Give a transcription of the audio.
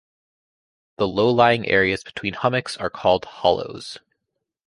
The low-lying areas between hummocks are called hollows.